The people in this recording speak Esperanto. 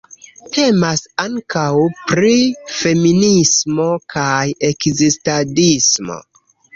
Temas ankaŭ pri feminismo kaj ekzistadismo.